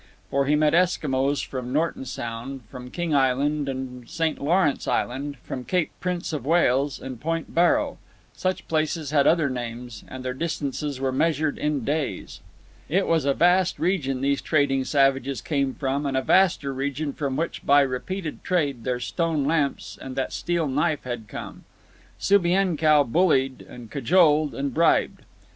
For he met Eskimos from Norton Sound, from King Island and St. Lawrence Island, from Cape Prince of Wales, and Point Barrow. Such places had other names, and their distances were measured in days. It was a vast region these trading savages came from, and a vaster region from which, by repeated trade, their stone lamps and that steel knife had come. Subienkow bullied, and cajoled, and bribed.